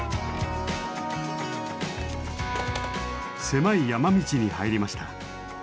狭い山道に入りました。